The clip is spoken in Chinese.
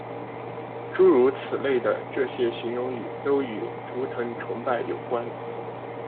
诸如此类的这些形容语都与图腾崇拜有关。